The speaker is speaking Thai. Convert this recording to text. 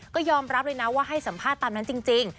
ก็ยอมรับเลยนะว่าให้สัมภาษณ์ตามนั้นจริง